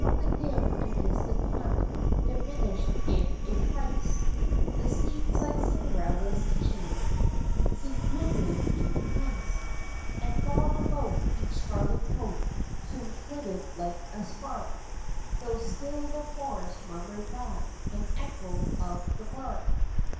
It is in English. the dim and distant hunt Diminished in a trice: The steeds, like Cinderella's team, Seemed dwindling into mice; And, far remote, each scarlet coat Soon flitted like a spark, Tho' still the forest murmured back An echo of the bark!